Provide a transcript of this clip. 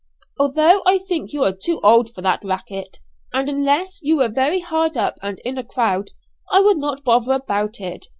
Although I think you are too old for that 'racket' and unless you were very hard up and in a crowd, I would not bother about it.